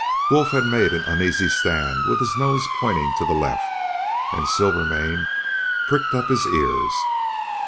Wolf had made an uneasy stand with his nose pointing to the left, and Silvermane pricked up his ears.